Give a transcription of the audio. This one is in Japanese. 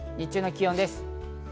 日中の気温です。